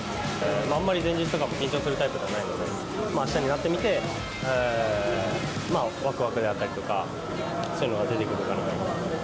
あんまり前日とか緊張するタイプではないので明日になってみてワクワクであったりとか、そういうのが出てくるかなと。